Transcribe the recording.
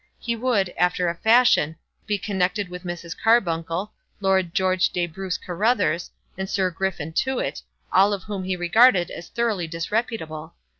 He would, after a fashion, be connected with Mrs. Carbuncle, Lord George de Bruce Carruthers, and Sir Griffin Tewett, all of whom he regarded as thoroughly disreputable.